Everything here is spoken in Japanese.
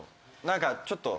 何かちょっと。